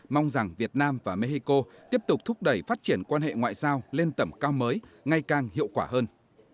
mong rằng việt nam và mexico tiếp tục thúc đẩy phát triển quan hệ ngoại giao lên tầm cao mới ngay càng hiệu quả hơn